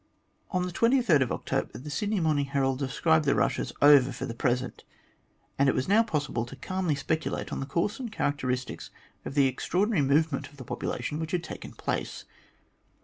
On October 23 the Sydney Morning Herald described the rush as over for the present, and it was now possible to calmly speculate on the course and characteristics of the extraordinary movement of the population which had taken place.